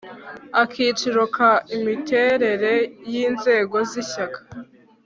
akiciro ka imiterere y inzego z ishyaka